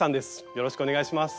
よろしくお願いします。